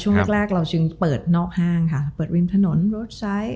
ช่วงแรกเราจึงเปิดนอกห้างค่ะเปิดริมถนนรถไซต์